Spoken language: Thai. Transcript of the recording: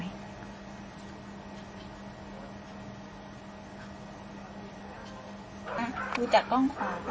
อ่ะดูจากกล้องขวาก็ได้